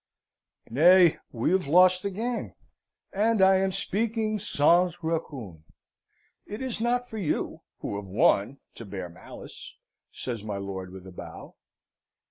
"Nay, we have lost the game, and I am speaking sans rancune. It is not for you, who have won, to bear malice," says my lord, with a bow.